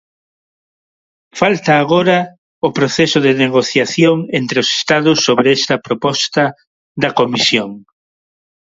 Falta agora o proceso de negociación entre os Estados sobre esta proposta da Comisión.